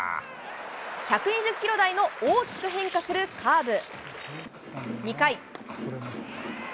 １２０キロ台の大きく変化するカーブ。